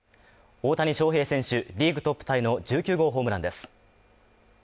大谷翔平選手リーグトップタイの１９号ホームランです。